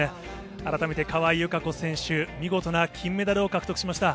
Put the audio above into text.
改めて川井友香子選手、見事な金メダルを獲得しました。